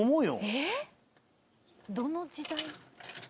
ええっどの時代？